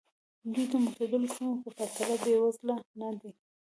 دوی د معتدلو سیمو په پرتله بېوزله نه دي.